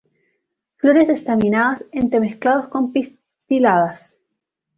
Flores estaminadas entremezclados con pistiladas.